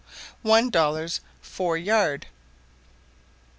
One dollers foure yard.